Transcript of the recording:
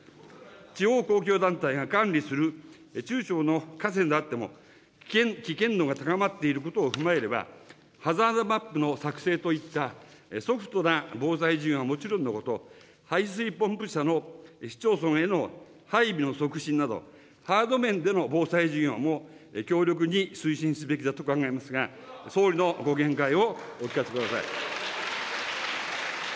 地方公共団体が管理する中小の河川であっても危険度が高まっていることを踏まえれば、ハザードマップの作成といったソフトな防災事業はもちろんのこと、排水ポンプ車の市町村への配備の促進など、ハード面での防災事業も強力に推進すべきだと考えますが、総理のご見解をお聞かせください。